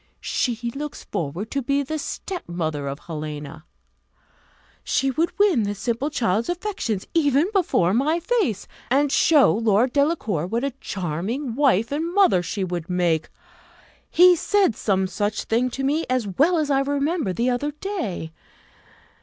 She looks forward to be the step mother of Helena; she would win the simple child's affections even before my face, and show Lord Delacour what a charming wife and mother she would make! He said some such thing to me, as well as I remember, the other day.